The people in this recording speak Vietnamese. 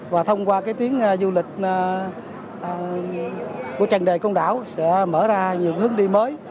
và thông qua tuyến du lịch của trần đề công đảo sẽ mở ra nhiều hướng đi mới